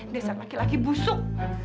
desa laki laki busuk